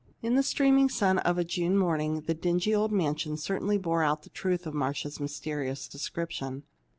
In the streaming sun of a June morning the dingy old mansion certainly bore out the truth of Marcia's mysterious description.